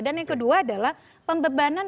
dan yang kedua adalah pembebanan